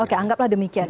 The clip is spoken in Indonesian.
oke anggaplah demikian